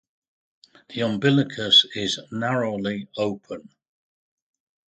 The umbilicus is narrowly open.